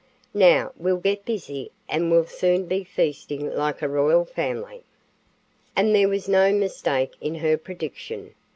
Now we'll get busy and will soon be feasting like a royal family." And there was no mistake in her prediction.